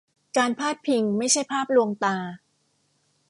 การพาดพิงไม่ใช่ภาพลวงตา